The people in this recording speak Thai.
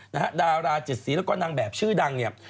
นะฮะดาราจิตศรีแล้วก็นางแบบชื่อดังเนี่ย